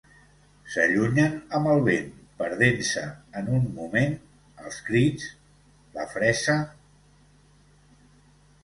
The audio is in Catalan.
S’allunyen amb el vent, perdent-se en un moment els crits, la fressa...